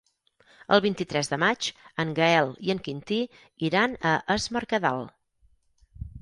El vint-i-tres de maig en Gaël i en Quintí iran a Es Mercadal.